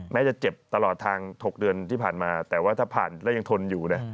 แม้จะเจ็บตลอดทาง๖เดือนที่ผ่านมาแต่ว่าถ้าผ่านแล้วยังทนอยู่นะ